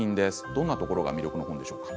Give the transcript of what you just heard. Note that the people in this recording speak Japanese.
どんなところが魅力の本でしょうか。